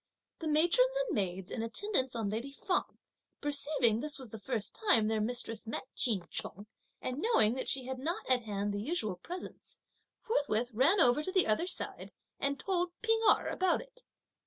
The matrons and maids in attendance on lady Feng, perceiving that this was the first time their mistress met Ch'in Chung, (and knowing) that she had not at hand the usual presents, forthwith ran over to the other side and told P'ing Erh about it.